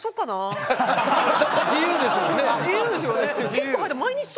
自由ですもんね。